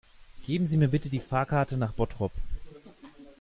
Geben Sie mir bitte die Fahrkarte nach Bottrop